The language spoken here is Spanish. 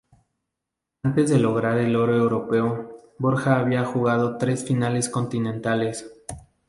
Antes de lograr el oro europeo, Borja había jugado tres finales continentales.